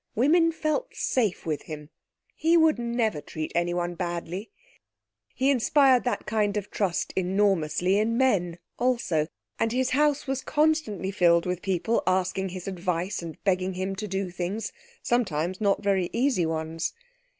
Women felt safe with him; he would never treat anyone badly. He inspired that kind of trust enormously in men also, and his house was constantly filled with people asking his advice and begging him to do things sometimes not very easy ones.